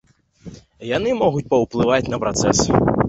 Яны могуць паўплываць на працэс.